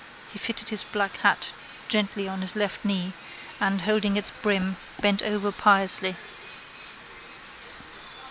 He fitted his black hat gently on his left knee and, holding its brim, bent over piously.